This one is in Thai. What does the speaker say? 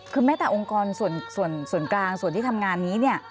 คือแม้แต่องค์กรส่วนกลางส่วนที่ทำงานนี้เนี่ย